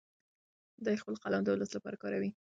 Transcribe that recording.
دی خپل قلم د ولس لپاره کاروي.